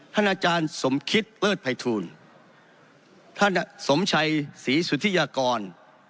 อาจารย์สมคิตเลิศภัยทูลท่านสมชัยศรีสุธิยากร